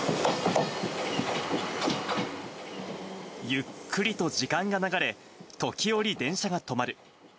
ゆっくりと時間が流れ、時折、電車が止まる。